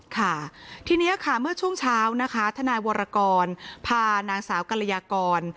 ค่ะทีนี้ค่ะเมื่อช่วงเช้านะคะทนายวรกรพานางสาวกรยากร